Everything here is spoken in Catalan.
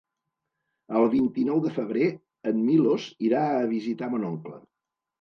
El vint-i-nou de febrer en Milos irà a visitar mon oncle.